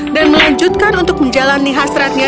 dan melanjutkan untuk menjalani hasratnya